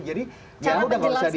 jadi ya udah gak usah diambil